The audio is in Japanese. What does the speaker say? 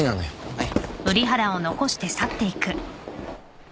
はい。